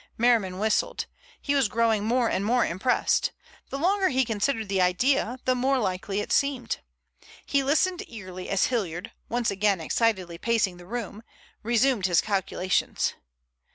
Merriman whistled. He was growing more and more impressed. The longer he considered the idea, the more likely it seemed. He listened eagerly as Hilliard, once again excitedly pacing the room, resumed his calculations.